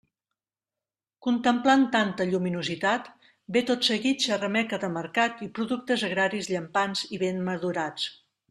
Contemplant tanta lluminositat, ve tot seguit xarrameca de mercat i productes agraris llampants i ben madurats.